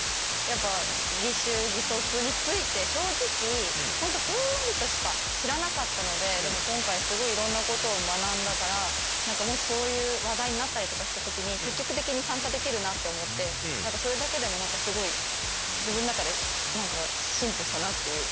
やっぱ義手義足について正直ふんわりとしか知らなかったのででも今回すごいいろんなことを学んだから何かもしそういう話題になったりとかした時に積極的に参加できるなって思ってそれだけでも何かすごい自分の中で進歩したなっていう。